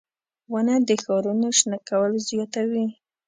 • ونه د ښارونو شنه کول زیاتوي.